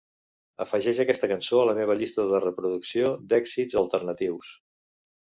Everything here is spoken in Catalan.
Afegeix aquesta cançó a la meva llista de reproducció d'èxits alternatius